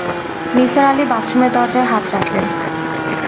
নিসার আলি বাথরুমের দরজায় হাত রাখলেন।